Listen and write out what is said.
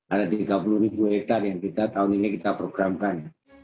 ada tiga puluh ribu hektare yang kita tahun ini kita programkan